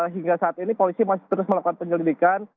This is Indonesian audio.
hingga saat ini polisi masih terus melakukan penyelidikan